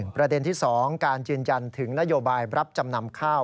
ประเด็นที่๒การยืนยันถึงนโยบายรับจำนำข้าว